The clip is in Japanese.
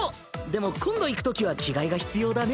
でも今度行くときは着替えが必要だね。